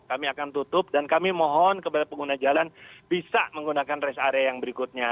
kami akan tutup dan kami mohon kepada pengguna jalan bisa menggunakan rest area yang berikutnya